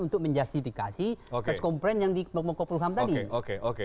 untuk menjasifikasi kes komplain yang dikomplikasi tadi